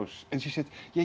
dan dia berkata